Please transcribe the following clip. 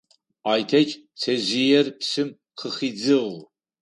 Айтэч пцэжъыер псым къыхидзыгъ.